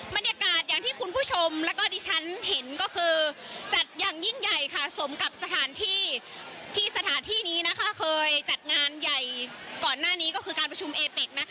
บรรยากาศอย่างที่คุณผู้ชมแล้วก็ดิฉันเห็นก็คือจัดอย่างยิ่งใหญ่ค่ะสมกับสถานที่ที่สถานที่นี้เคยจัดงานใหญ่ก่อนหน้านี้ก็คือการประชุมเอเป็ก